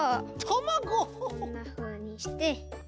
こんなふうにして。